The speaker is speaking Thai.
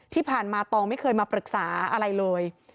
ที่ผ่านมาตองไม่เคยมาปรึกษาอะไรเลย